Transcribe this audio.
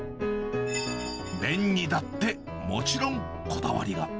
麺にだって、もちろんこだわりが。